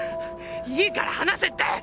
いいから離せって！